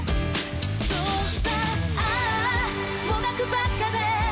「そうさもがくばっかで」